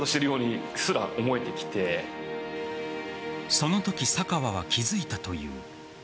そのとき坂和は気づいたという。